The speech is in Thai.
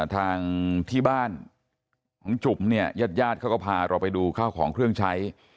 ทางที่บ้านของจุ๋มเนี่ยญาติญาติเขาก็พาเราไปดูข้าวของเครื่องใช้